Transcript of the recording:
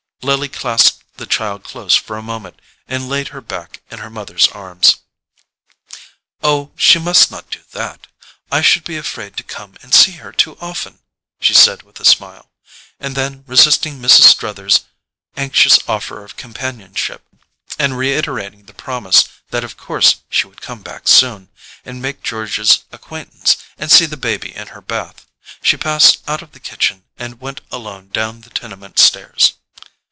Lily clasped the child close for a moment and laid her back in her mother's arms. "Oh, she must not do that—I should be afraid to come and see her too often!" she said with a smile; and then, resisting Mrs. Struther's anxious offer of companionship, and reiterating the promise that of course she would come back soon, and make George's acquaintance, and see the baby in her bath, she passed out of the kitchen and went alone down the tenement stairs.